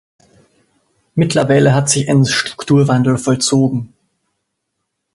Mittlerweile hat sich ein Strukturwandel vollzogen.